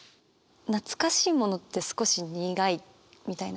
「懐かしいものって少し苦い」みたいな。